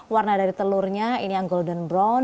warna dari telurnya ini yang golden brown